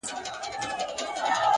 پـه محبت کښـې خـو بېخـي نـه کېـږي